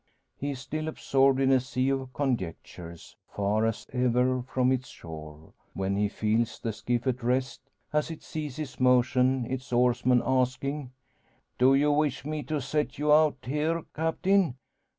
He is still absorbed in a sea of conjectures, far as ever from its shore, when he feels the skiff at rest; as it ceases motion its oarsman asking "Do you weesh me to set you out here, Captain?